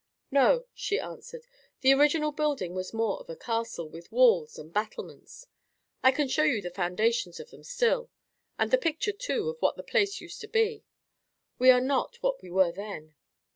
"No," she answered. "The original building was more of a castle, with walls and battlements. I can show you the foundations of them still; and the picture, too, of what the place used to be. We are not what we were then.